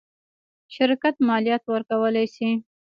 شرکت مالیات ورکولی شي.